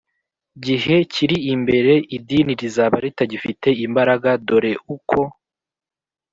gihe kiri imbere idini rizaba ritagifite imbaraga Dore uko